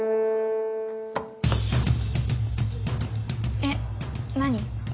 えっ何？